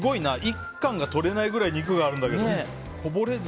１貫が取れないぐらい肉があるんだけど。